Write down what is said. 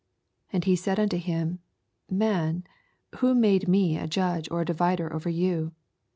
14 And he said nnto him, Man, who made me a judge or a divider over you